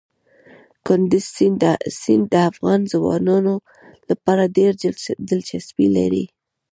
کندز سیند د افغان ځوانانو لپاره ډېره دلچسپي لري.